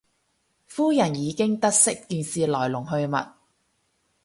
夫人已經得悉件事來龍去脈